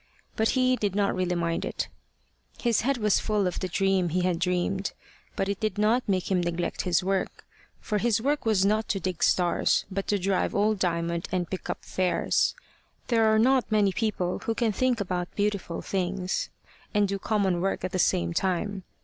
But he did not really mind it. His head was full of the dream he had dreamed; but it did not make him neglect his work, for his work was not to dig stars but to drive old Diamond and pick up fares. There are not many people who can think about beautiful things and do common work at the same time.